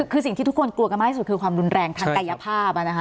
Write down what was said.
คือสิ่งที่ทุกคนกลัวกันมากที่สุดคือความรุนแรงทางกายภาพนะคะ